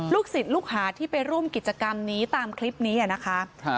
ศิษย์ลูกหาที่ไปร่วมกิจกรรมนี้ตามคลิปนี้นะคะ